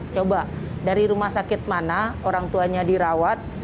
coba dari rumah sakit mana orang tuanya dirawat